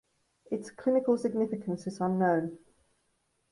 Its clinical significance is unknown.